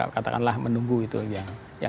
katakanlah menunggu itu yang kami lakukan